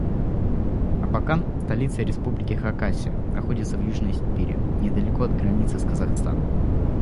Абакан - столица Республики Хакасия, находится в Южной Сибири, недалеко от границы с Казахстаном.